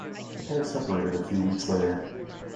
The pair separated a few weeks later.